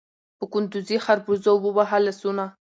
په کندوزي خربوزو ووهه لاسونه